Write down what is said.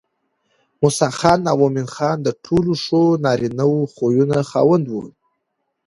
موسى خان او مومن خان د ټولو ښو نارينه خويونو خاوندان دي